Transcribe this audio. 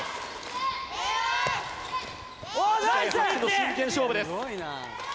真剣勝負です。